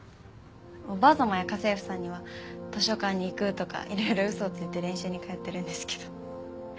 おばあ様や家政婦さんには図書館に行くとかいろいろ嘘をついて練習に通ってるんですけど。